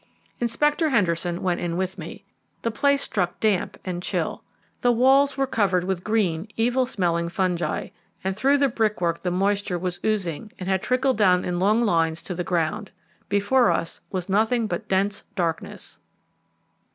Inspector Henderson went in with me. The place struck damp and chill. The walls were covered with green, evil smelling fungi, and through the brickwork the moisture was oozing and had trickled down in long lines to the ground. Before us was nothing but dense darkness.